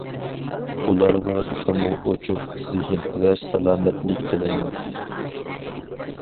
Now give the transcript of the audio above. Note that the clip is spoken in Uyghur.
ئۇلارغا تېخىمۇ ئوچۇق زېھىن ۋە سالامەتلىك تىلەيمەن.